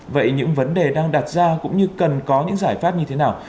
vậy những vấn đề đang đặt ra cũng như cần có những giải pháp như thế nào